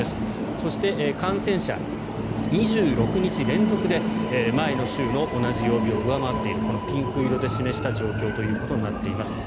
そして、感染者２６日連続で前の週の同じ曜日を上回っているこのピンク色で示した状況ということになっています。